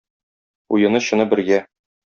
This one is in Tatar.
Уены-чыны бергә